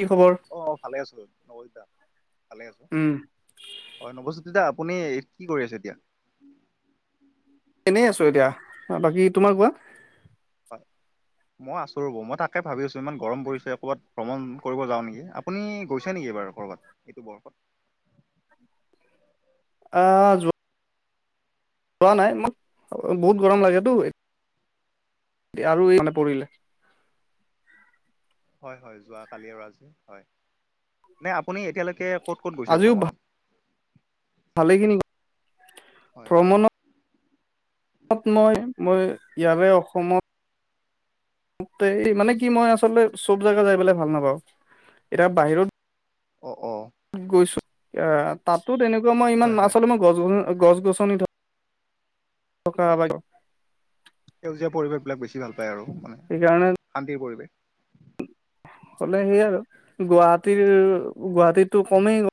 কি খবৰ? অ ভালে আছো নৱজিতা ভালে আছো উম, হয় নৱজ্যোতি দা আপুনি কি কৰি আছে এতিয়া? এনেই আছো এতিয়া বাকী তোমাৰ কোৱা? হয়। মই আছো ৰ'ব মই তাকে ভাবি আছো ইমান গৰম পৰিছে ক'ৰবাত ভ্ৰমণ কৰিব যাওঁ নেকি? আপুনি গৈছে নেকি এইবাৰ কৰ'বাত এইটো গৰমত অঁ যোৱা যোৱা নাই বহুত গৰম লাগেটো এ আৰু এই মানে পৰিলে। হয়-হয় যোৱাকালি আৰু আজি হয় নে আপুনি এতিয়ালৈকে ক'ত-ক'ত গৈছে ভ্ৰমণত। ভালেইখিনি। হয়-হয় তাত মই-মই ইয়াৰে অসমত। এই মানে কি মই আচলতে চব জেগা যাই পেলাই ভাল নাপাওঁ এতিয়া বাহিৰত অ অ গৈছো এ তাতো তেনেকুৱা মই ইমান হয় মাছ হয় হলে মই গছ গছ গছ-গছনি [inaudible] থকা [inaudible] সেউজীয়া পৰিৱেশবিলাক বেছি ভাল পায়। আৰু মানে সেইকাৰণে শান্তিৰ পৰিৱেশ, - হলে সেই আৰু গুৱাহাটীৰ-গুৱাহাটীটো কমেই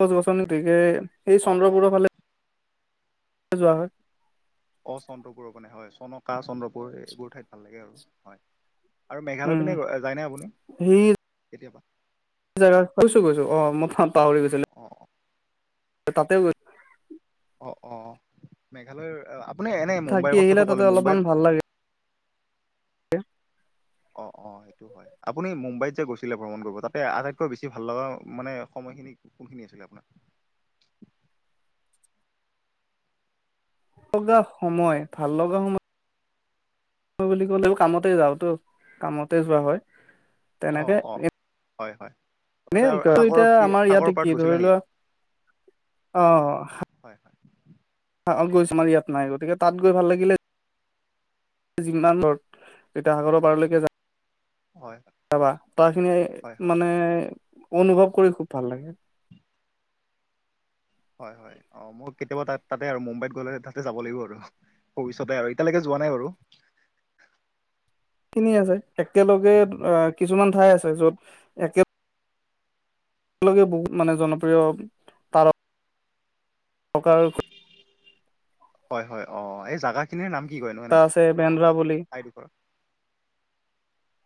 গছ-গছনি গতিকে এই অ অ চন্দ্ৰপুৰৰ ফালে যোৱা হয় অ চন্দ্ৰপুৰৰ মানে হয় চনকা চন্দ্ৰপুৰ এইবোৰ ঠাইত ভাল লাগে আৰু হয়। আৰু মেঘালয় উম, পিনে যায়নে আপুনি কেতিয়াবা। গৈছো-গৈছো অ মই পাহৰি গৈছিলো অ তাতে গৈছোঁ। অ-অ মেঘালয়ৰ আপুনি এনে থাকি মুম্বাইৰ আহিলে কথাটো তাতে ক'লে অলপমান মুম্বাইৰ ভাল লাগে [unintelligible] অ-অ সেইটো হয় আপুনি মুম্বাইত যে গৈছিলে ভ্ৰমণ কৰিব তাতে আটাইতকৈ বেছি ভাল লগা মানে সময় - মই খিনি কোনখিনি আছিলে আপোনাৰ ভাল লগা সময় ভাল লগা সময়। বুলি ক'লে কামতে যাওঁ কামতে যোৱা হয় তেনেকে হয়-হয় এই এতিয়া আমাৰ ইয়াতে কি ধৰি গৈছিলে নেকি লোৱা আহ হয় হয় গৈছো মানে আহ ইয়াত নাই গতিকে তাত গৈ ভাল লাগিলে যিমান তেতিয়া সাগৰৰ পাৰলৈকে হয় যাবা তাৰখিনি হয় হয় মানে অনুভৱ কৰি খুব ভাল লাগে হয় হয় অ মৌ কেতিয়াবা তাত তাতে আৰু মুম্বাইত গ'লে তাতে যাব লাগিব আৰু ভৱিষ্যতে আৰু এতিয়ালেকে পোৱা নাই বাৰু খিনি আছে একেলগে অ কিছুমান ঠাই আছে য'ত একে একে লগে বহু মানে জনপ্ৰিয় তাৰ প্ৰকাৰ হয় হয় অ এই জাগা খিনিৰ নাম-? কি কয়নো এনে তা আছে বান্দ্ৰা, বুলি ঠাইডোখৰ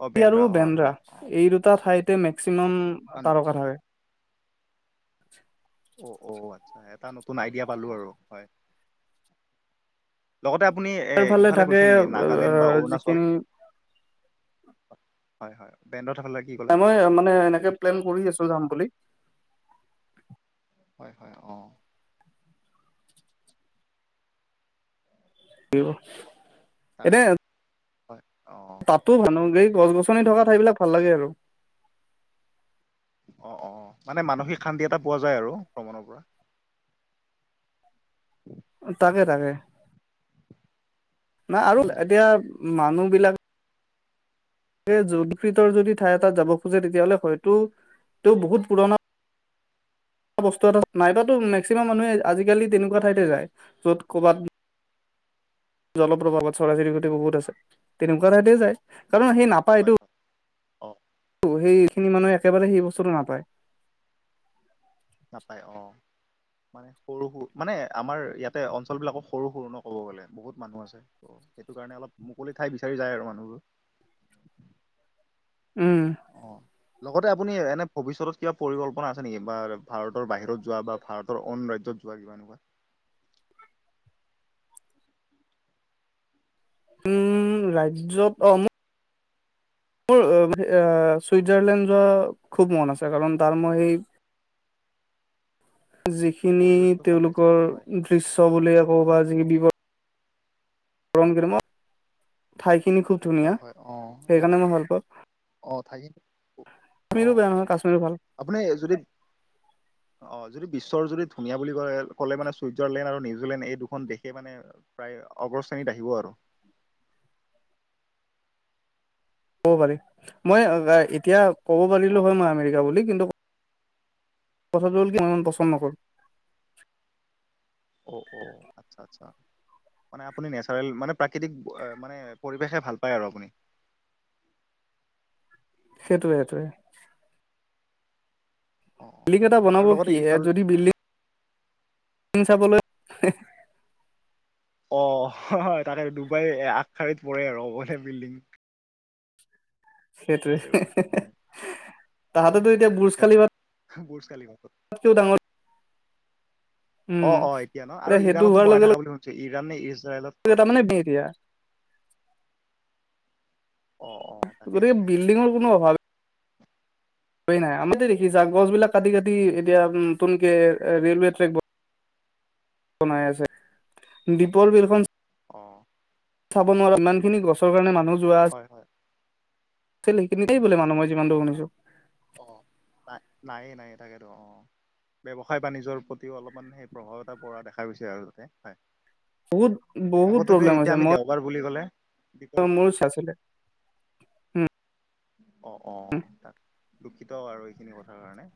অ আৰু হয় বেন্দ্ৰা হয় অ এই দুটা ঠাইতে মেক্সিমাম তাৰকা থাকে। আা অ অ আচ্ছা এটা নতুন আইডিয়া পালো আৰু হয়। লগতে আপুনি এ চাৰিওফালে ইফালে থাকে গৈছে নেকি নাগালেণ্ড বা অৰুণাচল যিখিনি হয় হয় বেণ্ডত অ মই মানে এনেকে প্লেন কৰি আছো যাম বুলি হয় হয় অ কিব- তাকেই টাক হয়। অ তাতো ভানো এই গছ গছনি থকা ঠাইবিলাক ভাল লাগে আৰু- অ অ মানে মানসিক শান্তি এটা পোৱা যায় আৰু ভ্ৰমণৰ পৰা। উ [inaudible] তাকে তাকে ন আৰু এতিয়া- মানুহ বিলাক- এই যোটফিতৰ যদি ঠাই এটাত যাব খোজে তেতিয়াহ'লে হয়তো। ত বহুত পুৰণা- [unintelligible] বস্তু এটা নাইবাতো মেক্সিমাম মানুহে আজিকালি তেনেকুৱা ঠাইতে যায় য'ত ক'বাত জলপ্ৰভাৱত চৰাই চিৰিকটি বহুত আছে তেনেকুৱা ঠাইতে যায় কাৰণ সেই নাপায় হয় হয়। অ এইটো সেই খিনি মানুহে একেবাৰে সেই বস্তুতটো নাপায় নাপায় অ মানে সৰু স মানে আমাৰ ইয়াতে অঞ্চল বিলাক সৰু সৰু ন কব গ'লে বহুত মানুহ আছে সেইটো কাৰণে অলপ মুকলি ঠাই বিচাৰি যায় আৰু মানুহবোৰ অ। উম লগতে আপুনি এনে ভৱিষ্যতত কিবা পৰিকল্পনা আছে নেকি বা ভাৰতৰ বাহিৰত যোৱা বা ভাৰতৰ অন ৰাজ্যত যোৱা কিবা এনেকুৱা উম ৰাজ্যত অ মোক [unintelligible] মোৰ অ আ ছুইজাৰলেণ্ড যোৱা খুব মন আছে কাৰণ তাৰ মই সেই [unintelligible] যিখিনি পৰিৱেশটো ভাল পাইছে তেওঁলোকৰ হয়। দৃশ্য বুলিয়ে কও বা যিবিৱ ৰণ ঠাই খিনি খুব ধুনীয়া হয় হয় অ সেইকাৰণে লগত মই ভাল পাওঁ অ থাকি অ কাশ্মীৰো বেয়া নহয় কাশ্মীৰো ভাল আপুনি যদি অ যদি বিশ্বৰ যুদি ধুনীয়া বুলি ক ক'লে মানে চুইজাৰলেণ্ড আৰু নিউজিলেণ্ড এই দুখন দেশে মানে প্ৰায় অগছ খিনি বাহিব আৰু ক'ব পাৰি মই আ এতিয়া ক'ব অ পাৰিলো হয় মই আমেৰিকা বুলি কিন্তু কথাটো হল কি ইমান পচন্দ নকৰ অ অ আচ্ছা আচ্ছা মানে আপুনি নেচাৰেল মানে প্ৰাকৃতিক আ মানে পৰিৱেশে ভাল পায় আৰু আপুনি [inaudible] সেইটোৱে সেইটোৱে। অ অ বিল্ডিং এটা আৰু বনাব লগতে কি এ ইফাল যদি বিল্ডিং ম চাবলৈ [unintelligible] অ হয় তাকে ডুবাই আগশাৰীত পৰে আৰু বলে বিল্ডিং। সেইটোৱে আছে [unintelligible] হয় তাহাঁতেতো এতিয়া বুৰ্জ ভুজ খালি খালিফা বুৰ্জ খালিফা কেও ডাঙৰ অ উম, অ এতিয়া ন আৰু ইৰাণতো বনাই থকা বুলি শুনিছো ইৰাণ নে ইজৰাইলত কৰ'বাত তাৰমানমানে বি দিয়া [unintelligible] অ অ তাকে গতিকে তাকে বিল্ডিংৰ কোনো অভাৱ হয় নাই আমাৰতে দেখিছা গছবিলাক কাটি কাটি এতিয়া নতুনকে ৰেলৱে ট্ৰেক ব বনাই আছে দ্বীপৰ বিলখন [inaudible] চাব নোৱাৰা ইমান খিনি গছৰ কাৰণে মানুহ হয় হয়। সেইখিনিতে বোলে মানুহ মই যিমান দৰ শুনিছো। অ নাই নায়ে নায়ে তাকেতো অ। ব্যৱসায় বাণিজ্যৰ প্ৰতিও অলপমান সেই প্ৰভাৱ এটা পৰা দেখা গৈছে আৰু তাতে হয়। বহুত বহুত আগতেতো প্ৰব্লেম এতিয়া হৈছে আমি মই দেওবাৰ বুলি ক'লে দ্বীপৰ মোৰ চ আছিলে হম! অ অ তাক দুখিত আৰু এইখিনি কথাৰ কাৰণে।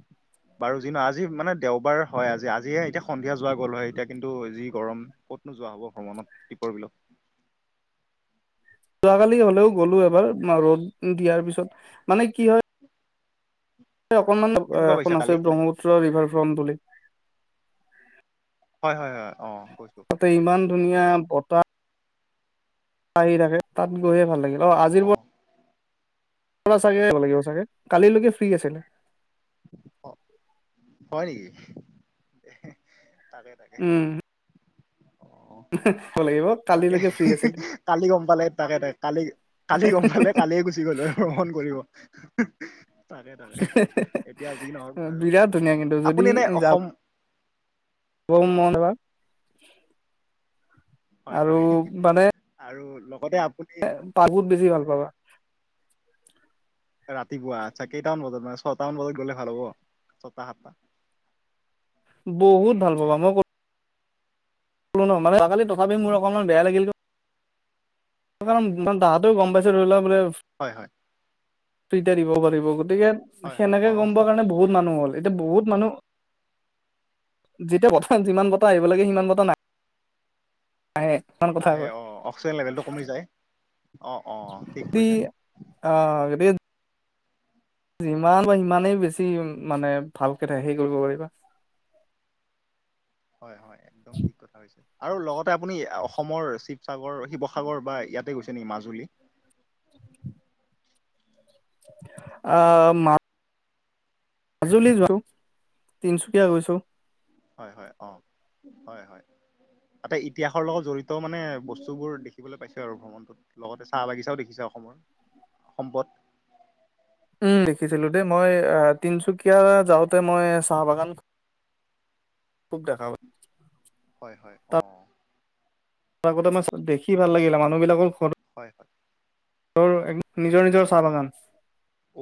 বাৰু যিনো আজি মানে দেওবাৰ হয় আজি আজিহে এতিয়া সন্ধিয়া যোৱা গ'ল হয় এতিয়া কিন্তু যি গৰম ক নো যোৱা হ'ব ভ্ৰমণত দীপৰ বিলত। যোৱাকালি হলেও গ'লো এবাৰ ৰ'দ দিয়াৰ পিছত, মানে কি হয় অকনমান কেনেকুৱা পাইছা এখন আছে কালি এনে ব্ৰহ্মপুত্ৰ ৰিভাৰ ফ্ৰন্ট বুলি। হয় হয় হয় অ। গৈছো তাতে ইমান ধুনীয়া বতাহ। আহি থাকে তাত গৈহে ভাল লাগিল অ আজিৰ পৰা চাগে আহিব লাগিব চাগে কালিলৈকে ফ্ৰী আছে। [inaudible] হয় নেকি? তাকে তাকে। উম অ লাগিব তাকে কালিলৈকে ফ্ৰী আছিলে কালি গম পালে তাকে তাকে কালি কালি গম পালে কালিয় গুচি গ'লো আৰু ভ্ৰমণ কৰি কৰিব। তাকে তাকে এতিয়া যি নহওক বাৰু বিৰাট অ ধুনীয়া কিন্তু যদি আপুনি এনে যাব অসম [unintelligible] হয় আৰু হয় আৰু লগতে আপুনি পাকুত বেছি ভাল পাবা। ৰাতিপুৱা আচ্ছা কেইটামান বজাত মানে ছয়ট মান বজাত গ'লে ভাল হ'ব ছটা সাতটা? [inaudible] বহুত ভাল পাবা মই কৰ ন মানে তাকালি তথাপি মোৰ অকণমান বেয়া লাগিল কাৰণ তহঁতেও গম পাইছে ধৰি লোৱা বোলে হয় হয়। এটিয়া দিব পাৰিব গতিকে হয় হয় সেনেকে অ গম পোৱা কাৰণে বহুত মানুহ হ'ল। এতিয়া বহুত মানুহ যেতিয়া প্ৰথম যিমান বটা আহিব লাগে সিমান বটাহ নাই নাহে অ অক্সিজেন লেভেলটো কমি যায় অ। অ ঠিক কি কৈছে অ যিমান বা সিমানেই বেছি মানে ভালকে থাকে সেই কৰিব পাৰিবা। [inaudible] হয় হয় একদম ঠিক কথা হৈছে আৰু লগতে আপুনি অসমৰ শিৱসাগৰ শিৱসাগৰ বা ইয়াতে গৈছে নেকি মাজুলী? আ মা। মাজুলী যোৱা তিনচুকীয়া গৈছো। হয় হয় অ হয় হয়। তাতে ইতিহাসৰ লগত জড়িত মানে বস্তু বোৰ দেখিবলৈ পাইছো আৰু ভ্ৰমণত লগতে চাহ বাগিচাও দেখিছো। অসমৰ সম্পদ। উম দেখিছিলো দেই মই তিনচুকীয়া যাওঁতে মই চাহ বাগান খুব দেখা হয় হয় অ তাৰ আগতে মই দেখি ভাল লাগিল মানুহবিলাকৰ ঘ হয় হয়। তোৰ এক নিজৰ নিজৰ চাহ বাগান।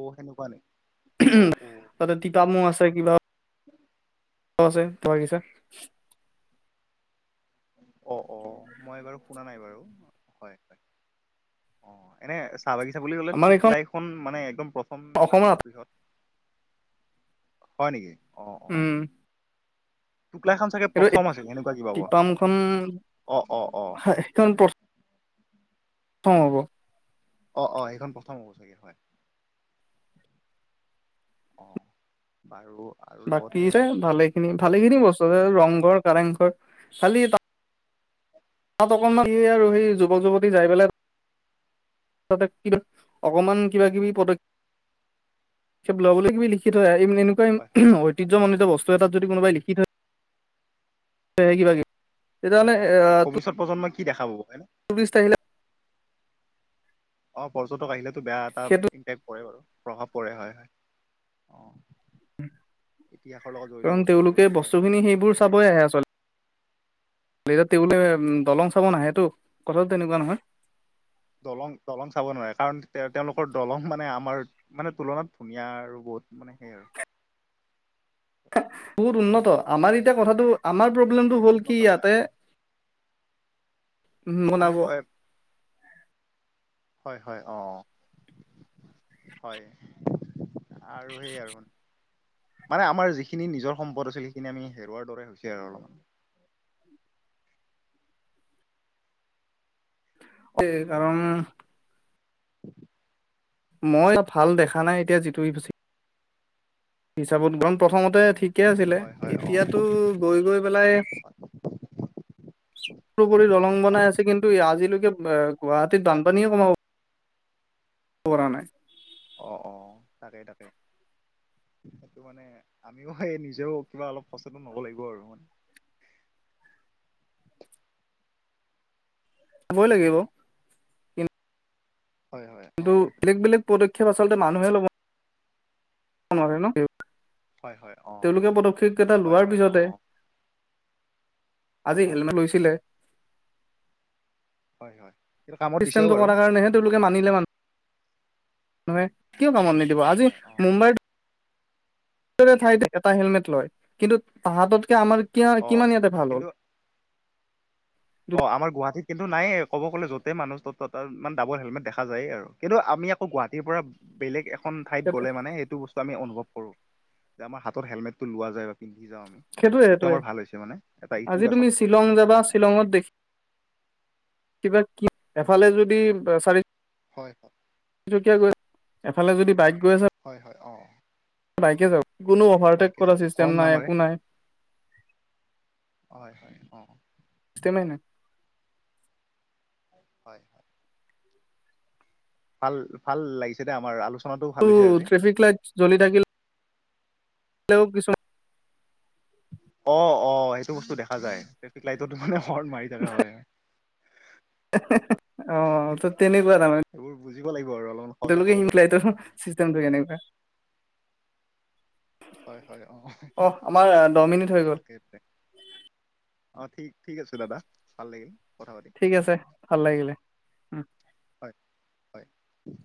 অ সেনেকুৱা নি? উ অ অ তাতে তিপাম আছে কিবা [inaudible] ত আছে বাগিচা অ অ মই বাৰু শুনা নাই বাৰু হয় হয়। অ এনে চাহ বাগিচা বুলি ক'লে আমাৰ পোক এইখন লাইখন মানে একদম প্ৰথমে অসমৰ ডাঙৰ বৃহৎ হয় নেকি? উম। টোকলাখন চাগে এইটো প্ৰথম আছিল সেনেকুৱা কিবা টিপামখন অ অ অ অ হ'ব। অ অ সেইখন প্ৰথম হব চাগে হয়? অ বাৰু আৰু লগতে বাকী যে ভালে খিনি ভালেখিনি বস্তুছে ৰংঘৰ কাৰেংঘৰ খালি। তাত অকনমান সি আৰু সেই যুৱক যুৱতী যাই পেলাই। তাতে কিবা অকমান কিবা কিবি পদক্ষপ লবলৈ কিবি লিখি থৈ আহে। এই এনেকুৱা হয় হয় ঐতিহ্য মণ্ডিত বস্তু। ত এটাত যদি কোনোবাই লিখি থৈ কিবা কিবি তেতিয়াহ'লে হয় হয় ভৱিষ্যত প্ৰজন্মই কি দেখা পাব? পূ্বছ তাৰিলা [unintelligible] অ পৰ্যটক আহিলেতো বেয়া এটা সেইটো ইম্পেক্ট পৰে বাৰু প্ৰভাৱ পৰে হয় হয় অ। ইতিহাসৰ লগত জড়িত কাৰণ বস্তু এইবোৰ তেওঁলোকে হয় বস্তু খিনি সেইবোৰ চাবই আহে আচলতে। বোলে দলং চাব আহেটো কথাটো তেনেকুৱা নহয়। দলং দলং চাব নোৱাৰে কাৰণ তে তেওঁলোকৰ দলং মানে আমাৰ মানে তুলনাত ধুনীয়া আৰু বু বহুত মানে সেই আৰু। খ [unintelligible] বহুত অ উন্নত আমাৰ হয় এতিয়া কথাটো আমাৰ প্ৰব্লেমটো হ'ল কি উন্নত হয় ইয়াতে আমি বনাব। কয় হয় হয় অ। হয় আৰু সেই আৰু। মানে আমাৰ যিখিনি নিজৰ সম্পদ আছিল সেইখিনি আমি হেৰুৱাৰ দৰে হৈছে আৰু অলপমান। [inaudible] স কাৰণ উ মই ভাল দেখা নাই এতিয়া যিটো হিচাপত কাৰণ প্ৰথমতে। ঠিকে আছিলে হয় হয় অ এতিয়াতো গৈ গৈ পেলাই সপৰি দলং বনাই আছে কিন্তু আজিলৈকে আহ গুৱাহাটীত বানপানীয়ে কমাব। ব নাই। অ অ তাকেই তাকেই। সেইটো মানে আমিও সেই নিজেও কিবা অলপ সচাটো নব লাগিব আৰু মানে [unintelligible] ব' লাগে ব হয় হয় অ কিন্তু বেলেগ -বেলেগ পদক্ষেপ আচলতে মানুহে ল'ব নাৰে ন হয় হয় অ তেওঁলোকে পদক্ষেপ কেইটা হয় লোৱাৰ হয় অ পিছতে আজি হয় হেলমেট লৈছিলে। হয় হয়। এইটো কামত দিছেও চিষ্টেমটো বাৰু কৰাৰ কাৰণেহে তেওঁলোকে মানিলে মানুহ মানে। কিয় কামত নিদিব হয় আজি হয় অ মুম্বাইৰ। ৰে ঠাইত এটা হেলমেট লয় কিন্তু তাহততকে আমাৰ অ কিমান ইয়াতে ভাল কিন্তু হ'ল। অ আমাৰ গুৱাহাটীত। কিন্তু নাইয়ে ক'ব গ'লে য'তেই মানুহ তত ত ইমান ডাবল হেলমেট দেখা যায় আৰু কিন্তু আমি আকৌ গুৱাহাটীৰ পৰা। বেলেগ এখন ঠাইত গ'লে মানে সেইটো বস্তু আমি অনুভৱ কৰো যে আমাৰ হাতত হেলমেট টো লোৱা যায় বা পিন্ধ। যা আমি সেইটোয়ে এইটো সেইটোয়ে আমাৰ ভাল হৈছে মানে এটা ইতিবাচক হয় হয়। কিবা কি এফালে যদি চাৰি হয় হয় কীয়া গৈ এফালে যদি বাইক গৈ। আছে হয় হয় অ। বাইকে যা কোনো অভাৰটেক বাইকে কৰা যাব চিষ্টেম হৰ্ণ নাই নামাৰে একো নাই। হয় হয় অ চিষ্টেমে নাই হয়। ভাল ভাল লাগিছে দে আমাৰ আলোচনা। ত ট্ৰেফিক লাইট জ্বলি থাকিল। [unintelligible] অ অ সেইটো বস্তু দেখা যায় ট্ৰেফিক লাইটত মানে হৰ্ণ মাৰি থাকা হয় হেহ হেহ হেহ অ ত তেনেকোৱা তাৰমানে সেইবোৰ বুজিব লাগিব আৰু অলপমান ত সজাগ লোকে হ'ব লাগিব মিলাই চিষ্টেমটো কেনেকোৱা হয় হয় অ অ আমাৰ দহ মিনিট হৈ গ'ল তাকেই অ ঠিক ঠিক আছে দাদা ভাল লাগিল কথা পাতি ঠিক আছে ভাল লাগিলে উম। উম